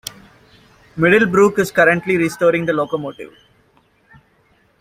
Middlebrook is currently restoring the locomotive.